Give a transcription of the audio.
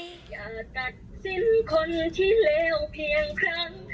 อย่าตัดสินคนที่เลวเพียงครั้ง